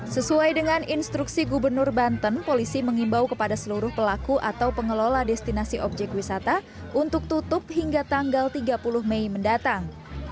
sesuai dengan instruksi gubernur banten polisi mengimbau kepada seluruh pelaku atau pengelola destinasi objek wisata untuk tutup hingga tanggal tiga puluh mei mendatang